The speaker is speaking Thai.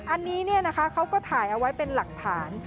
อันนี้เขาก็ถ่ายเอาไว้เป็นหลักฐาน